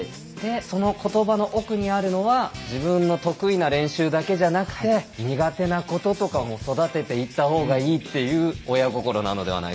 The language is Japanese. その言葉の奥にあるのは自分の得意な練習だけじゃなくて苦手なこととかも育てていった方がいいっていう親心なのではないかと。